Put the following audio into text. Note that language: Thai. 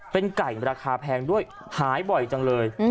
เป็นไก่ราคาแพงด้วยหายบ่อยจังเลย